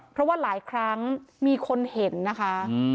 เพราะว่าหลายครั้งมีคนเห็นนะคะ